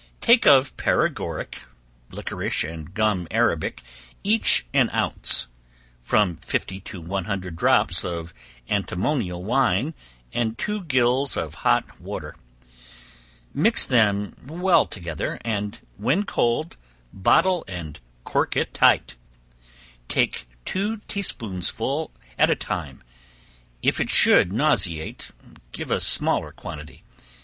Take of paregoric, liquorice and gum arabic, each an ounce, from fifty to one hundred drops of antimonial wine and two gills of hot water; mix them well together, and when cold, bottle, and cork it tight; take two tea spoonsful at a time; if it should nauseate, give a smaller quantity.